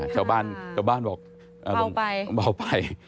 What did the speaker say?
ชาวบ้านบอกเบาไป